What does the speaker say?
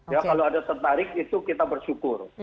ya kalau ada tertarik itu kita bersyukur